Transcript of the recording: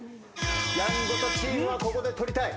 『やんごと』チームはここで取りたい。